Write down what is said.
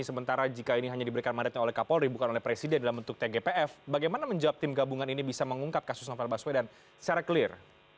sementara jika ini hanya diberikan mandatnya oleh kapolri bukan oleh presiden dalam bentuk tgpf bagaimana menjawab tim gabungan ini bisa mengungkap kasus novel baswedan secara clear